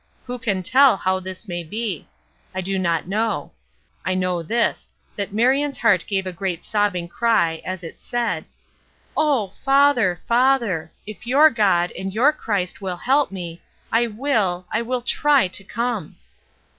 Who can tell how this may be. I do not know. I know this, that Marion's heart gave a great sobbing cry, as it said: "Oh, father, father! if your God, if your Christ, will help me, I will I will try to come."